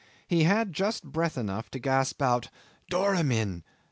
He just had breath enough to gasp out, "Doramin!